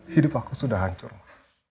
hidup aku sudah hancur